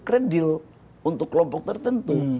kredil untuk kelompok tertentu